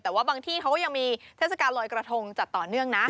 แต่ว่าบางที่เขาก็ยังมีเทศกาลลอยกระทงจัดต่อเนื่องนะ